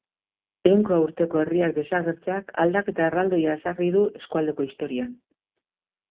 Ehunka urteko herriak desagertzeak aldaketa erraldoia ezarri du eskualdeko historian.